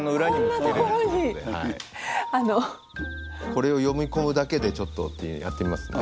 これを読み込むだけでちょっとっていうのをやってみますね。